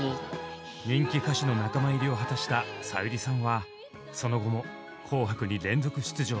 人気歌手の仲間入りを果たしたさゆりさんはその後も「紅白」に連続出場。